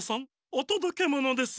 おとどけものです！